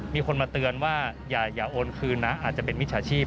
มีคนมาเตือนว่าอย่าโอนคืนนะอาจจะเป็นมิจฉาชีพ